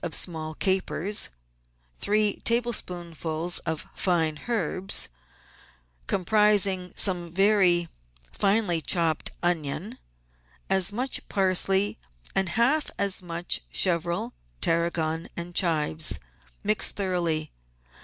of small capers, three table spoonfuls of fine herbs, comprising soine very finely chopped onion, as much parsley, and half as much chervil, tarragon, and chives. Mix thoroughly.